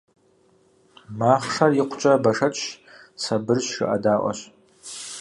Махъшэр икъукӀэ бэшэчщ, сабырщ, жыӀэдаӀуэщ.